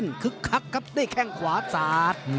เต้นคึกคักครับได้แข้งขวาสาส